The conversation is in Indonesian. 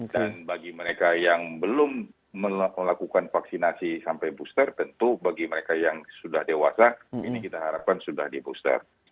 dan bagi mereka yang belum melakukan vaksinasi sampai booster tentu bagi mereka yang sudah dewasa ini kita harapkan sudah di booster